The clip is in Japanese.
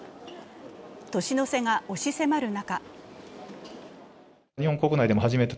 年の瀬が押し迫る中